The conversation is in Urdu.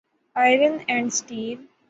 iron and steel